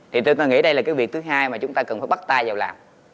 thì tôi có nghĩ đây là cái việc thứ hai mà chúng ta cần phải bắt tay vào làm